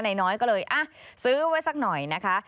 นายน้อยก็เลยซื้อไว้สักหน่อยนะคะ